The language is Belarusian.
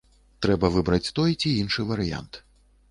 Трэба выбраць той ці іншы варыянт.